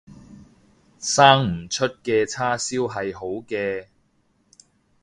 生唔出嘅叉燒係好嘅